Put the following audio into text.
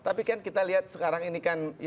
tapi kan kita lihat sekarang ini kan